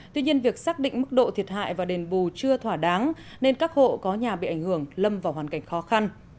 tuy nhiên việc xác định mức độ thiệt hại và đền bù chưa thỏa đáng nên các hộ có nhà bị ảnh hưởng lâm vào hoàn cảnh khó khăn